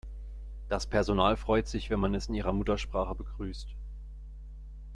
Das Personal freut sich, wenn man es in ihrer Muttersprache begrüßt.